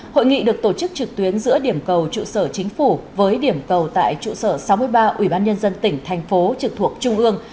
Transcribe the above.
hội nghị được tổ chức trực tuyến giữa điểm cầu trụ sở chính phủ với điểm cầu tại trụ sở sáu mươi ba ubnd tỉnh thành phố trực thuộc trung ương